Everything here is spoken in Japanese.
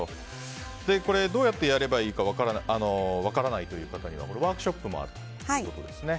どうやってやればいいか分からないという方にはワークショップもあるということですね。